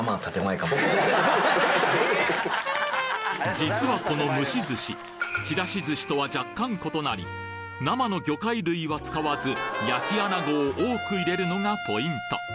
実はこの蒸し寿司ちらし寿司とは若干異なり生の魚介類は使わず焼き穴子を多く入れるのがポイント